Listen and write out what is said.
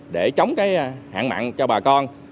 để chống cái hạn mặn cho bà con